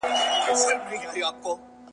تبه زما ده، د بدن شمه ستا ختلې ده.